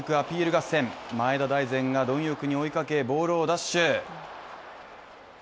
合戦前田大然が貪欲に追いかけボールを奪取。